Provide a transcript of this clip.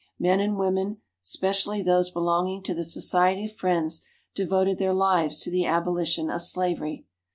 Men and women, specially those belonging to the Society of Friends, devoted their lives to the abolition of slavery.